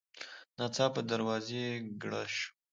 ناڅاپه د دروازې ګړز شو.